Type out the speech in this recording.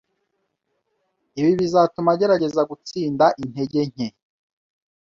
Ibi bizatuma agerageza gutsinda intege nke